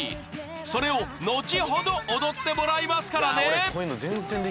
それを後ほど踊ってもらいますからね！